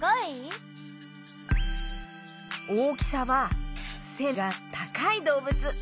大きさはせがたかいどうぶつ。